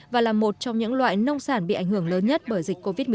và là một trong những loại nông sản bị ảnh hưởng lớn nhất bởi dịch covid một mươi chín